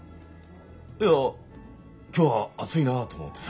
いや今日は暑いなと思ってさ。